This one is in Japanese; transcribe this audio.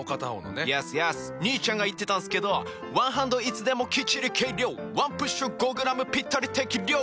兄ちゃんが言ってたんすけど「ワンハンドいつでもきっちり計量」「ワンプッシュ５ｇぴったり適量！」